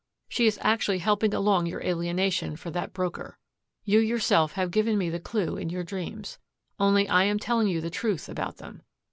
"She is actually helping along your alienation for that broker. You yourself have given me the clue in your dreams. Only I am telling you the truth about them.